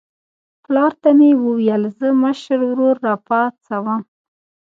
پلار ته مې وویل زه مشر ورور راپاڅوم.